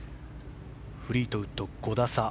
フリートウッド、５打差